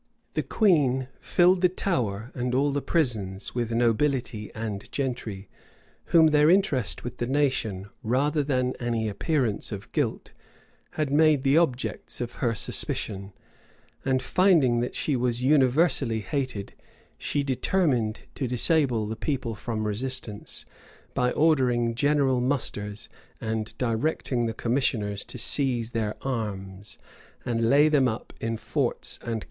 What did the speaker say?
The queen filled the Tower and all the prisons with nobility and gentry, whom their interest with the nation, rather than any appearance of guilt, had made the objects of her suspicion; and finding that she was universally hated, she determined to disable the people from resistance, by ordering general musters, and directing the commissioners to seize their arms, and lay them up in forts and castles.